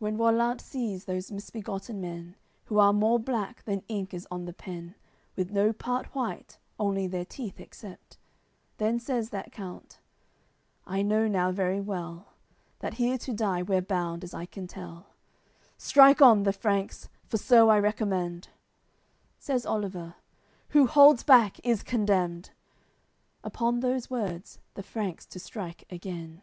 AOI. CXLIV When Rollant sees those misbegotten men, Who are more black than ink is on the pen With no part white, only their teeth except, Then says that count: "I know now very well That here to die we're bound, as I can tell. Strike on, the Franks! For so I recommend." Says Oliver: "Who holds back, is condemned!" Upon those words, the Franks to strike again.